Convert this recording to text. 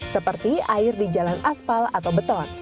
seperti air di jalan aspal atau beton